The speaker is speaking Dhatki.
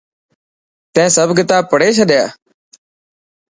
تين سڀ ڪتاب پڙهي ڇڏيا؟